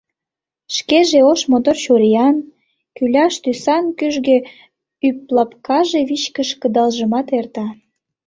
Шкеже ош мотор чуриян, кӱляш тӱсан кӱжгӧ ӱплапкаже вичкыж кыдалжымат эрта.